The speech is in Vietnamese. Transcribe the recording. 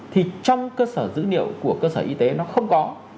thì trong cơ sở dữ liệu của cơ sở y tế nó không có